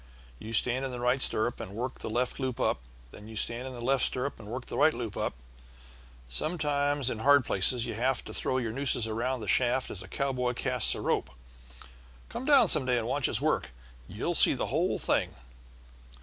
You stand in the right stirrup and work the left loop up, then you stand in the left stirrup and work the right loop up. Sometimes in hard places you have to throw your nooses around the shaft as a cowboy casts a rope. Come down some day and watch us work; you'll see the whole thing."